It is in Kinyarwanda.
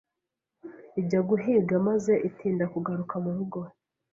ijya guhiga maze itinda kugaruka murugo.